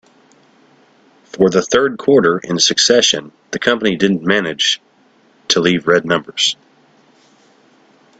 For the third quarter in succession, the company didn't manage to leave red numbers.